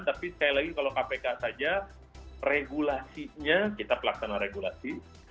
tapi sekali lagi kalau kpk saja regulasinya kita pelaksana regulasi